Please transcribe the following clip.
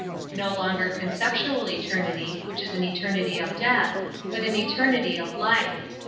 No longer conceptual eternity, which is an eternity of death, but an eter nity of life.